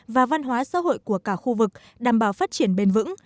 và văn hóa xã hội của cả khu vực đảm bảo phát triển bền vững